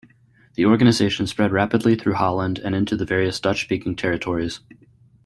The organisation spread rapidly through Holland and into the various Dutch-speaking territories.